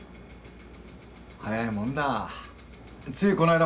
早いもんだつい